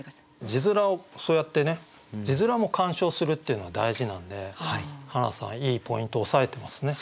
字面をそうやってね字面も鑑賞するっていうのは大事なんではなさんいいポイント押さえてますね。